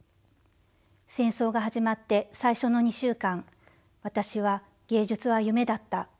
「戦争が始まって最初の２週間私は芸術は夢だった。